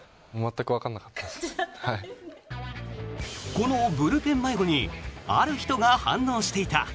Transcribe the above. このブルペン迷子にある人が反応していた。